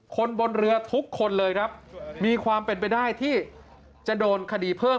คนบนเรือทุกคนเลยครับมีความเป็นไปได้ที่จะโดนคดีเพิ่ม